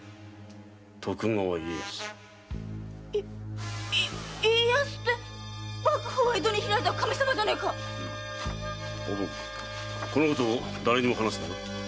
徳川家康」“家康”って幕府を江戸に開いた神様じゃないか⁉おぶんこのことを誰にも話すなよ。